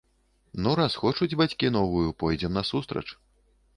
Ну раз хочуць бацькі новую, пойдзем насустрач.